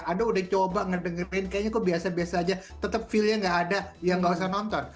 anda udah coba ngedengerin kayaknya kok biasa biasa aja tetep feelnya gak ada ya nggak usah nonton